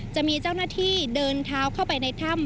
จะมีเจ้าหน้าที่เดินเท้าเข้าไปในถ้ำ